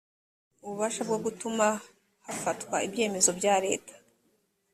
ububasha bwo gutuma hafatwa ibyemezo bya leta